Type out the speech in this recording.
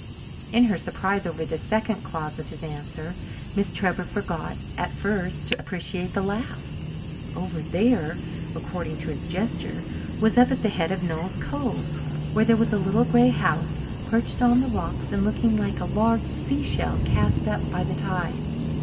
In her surprise over the second clause of his answer, Miss Trevor forgot, at first, to appreciate the last. "Over there," according to his gesture, was up at the head of Noel's Cove, where there was a little grey house perched on the rocks and looking like a large seashell cast up by the tide.